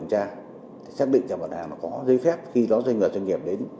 tri cục đã kiểm tra xác định cho bản hàng có giấy phép khi nó doanh nghiệp đến